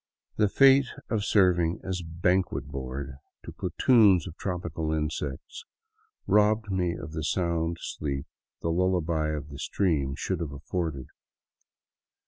The fate of serving as banquet board to platoons of tropical insects robbed me of the sound sleep the lullaby of the stream should have afforded.